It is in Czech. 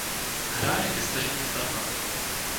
Hra je ke stažení zdarma.